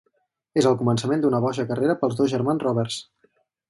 És el començament d'una boja carrera pels dos germans Roberts.